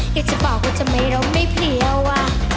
อยากจะบอกว่าทำไมเราไม่เพลียว